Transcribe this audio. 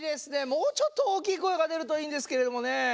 もうちょっとおおきいこえがでるといいんですけれどもねえ。